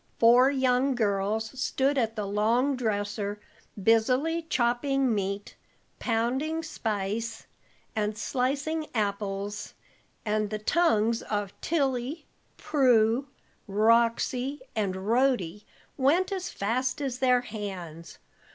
Four young girls stood at the long dresser, busily chopping meat, pounding spice, and slicing apples; and the tongues of Tilly, Prue, Roxy, and Rhody went as fast as their hands.